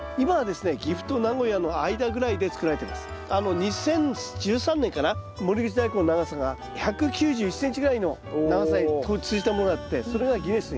２０１３年かな守口大根の長さが１９１ｃｍぐらいの長さにものがあってそれがギネスに。